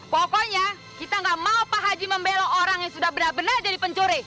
pokoknya kita gak mau pak haji membelo orang yang sudah benar benar jadi pencuri